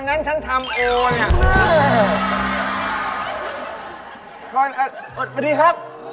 อ่ะสวัสดีครับ